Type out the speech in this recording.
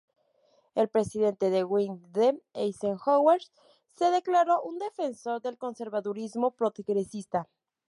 El presidente Dwight D. Eisenhower se declaró un defensor del "conservadurismo progresista".